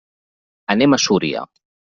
Anem a Súria.